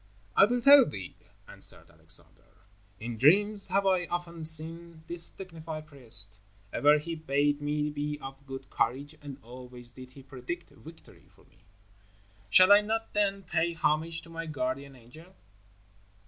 "I will tell thee," answered Alexander. "In dreams have I often seen this dignified priest. Ever he bade me be of good courage and always did he predict victory for me. Shall I not then pay homage to my guardian angel?"